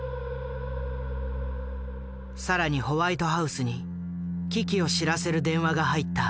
更にホワイトハウスに危機を知らせる電話が入った。